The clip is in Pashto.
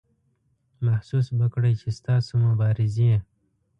محسوس به کړئ چې ستاسو مبارزې.